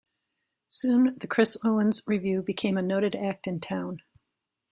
Soon the "Chris Owens Review" became a noted act in town.